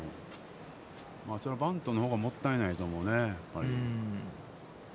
バントのほうがもったいないと思うね。